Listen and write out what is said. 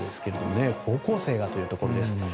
高校生がというところです。